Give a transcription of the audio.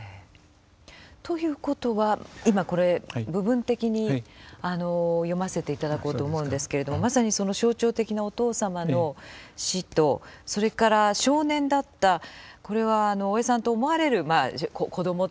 ということは今これ部分的に読ませていただこうと思うんですけれどもまさにその象徴的なお父様の死とそれから少年だったこれは大江さんと思われる子どもという。